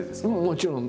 もちろん。